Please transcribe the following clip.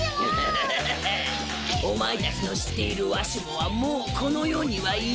おまえたちの知っているわしもはもうこの世にはいない。